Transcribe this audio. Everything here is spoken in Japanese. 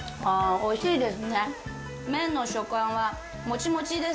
おいしいです。